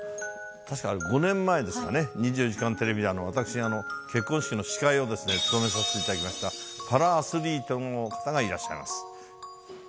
確か５年前ですかね、２４時間テレビで私が結婚式の司会を務めさせていただきました、パラアスリートの方がいらっしゃいます。